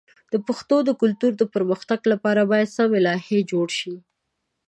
د پښتو د کلتور د پرمختګ لپاره باید سمی لایحې جوړ شي.